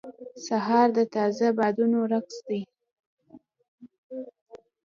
سهار د تازه بادونو رقص دی.